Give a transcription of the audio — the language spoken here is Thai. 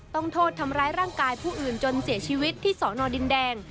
ต้องโทษทำร้ายร่างกายผู้อื่นจนเสียชีวิตที่สอนอดินแดง